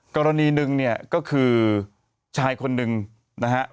กรณีหนึ่งเนี่ยก็คือชายคนหนึ่งนะฮะ